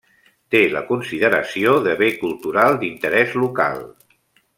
Té la consideració de Bé Cultural d'Interès Local.